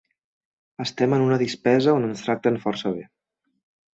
Estem en una dispesa on ens tracten força bé.